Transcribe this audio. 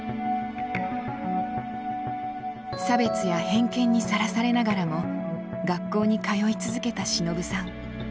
差別や偏見にさらされながらも学校に通い続けたしのぶさん。